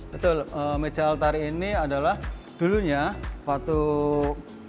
betul meja altar ini adalah dulunya patung